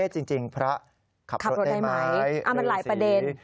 จริงพระขับรถได้ไหมเรื่องซีขับรถได้ไหม